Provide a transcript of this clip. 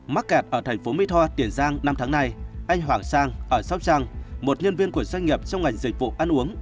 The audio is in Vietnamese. mắc kẹt ở thành phố mỹ tho tiền giang năm tháng nay anh hoàng sang ở sóc trăng một nhân viên của doanh nghiệp trong ngành dịch vụ ăn uống